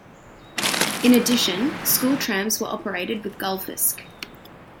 In addition, school trams were operated with Gullfisk.